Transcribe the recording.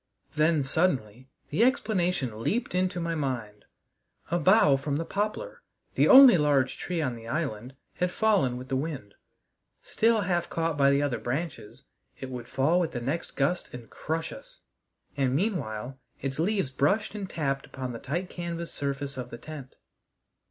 Then suddenly the explanation leaped into my mind: a bough from the poplar, the only large tree on the island, had fallen with the wind. Still half caught by the other branches, it would fall with the next gust and crush us, and meanwhile its leaves brushed and tapped upon the tight canvas surface of the tent.